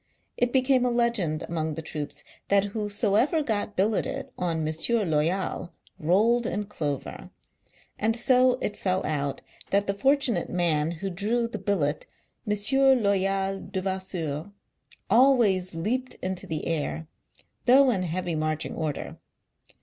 It became a legend among the troops that whosoever got billeted on M. Loyal, rolled in clover ; and so it fell out that the fortunate man who drew the billet "M. Loyal Devas seur " always leaped into the air, though in heavy marching order.